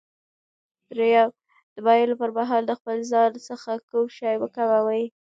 دریم: د ویلو پر مهال د خپل ځان څخه کوم شی مه کموئ.